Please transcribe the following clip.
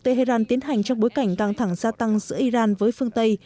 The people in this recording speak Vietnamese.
tehran tiến hành trong bối cảnh căng thẳng gia tăng giữa iran với phương tây